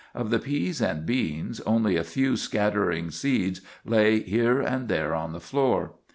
Of the peas and beans, only a few scattering seeds lay here and there on the floor.